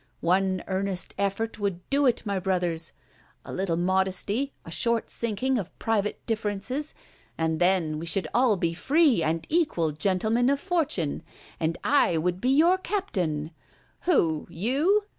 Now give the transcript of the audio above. One earnest effort would do it, my brothers! A little modesty, a short sinking of private differences; and then we should all be free and equal gentlemen of fortune, and I would be your Captain! "Who? you?